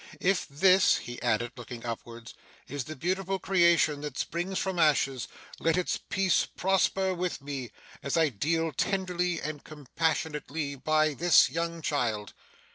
If this,' he added, looking upwards, 'is the beautiful creation that springs from ashes, let its peace prosper with me, as I deal tenderly and compassionately by this young child!